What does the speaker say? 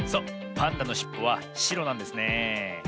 パンダのしっぽはしろなんですねえ。